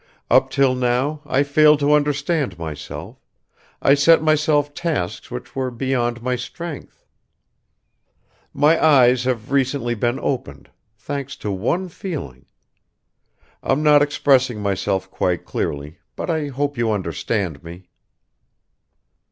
Up till now I failed to understand myself, I set myself tasks which were beyond my strength ... My eyes have recently been opened, thanks to one feeling ... I'm not expressing myself quite clearly, but I hope you understand me